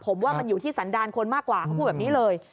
ผมว่ามันอยู่ที่สันดาลคนมากกว่าเขาพูดแบบนี้เลย